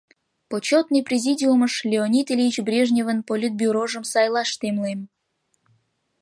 — Почётный президиумыш Леонид Ильич Брежневын Политбюрожым сайлаш темлем!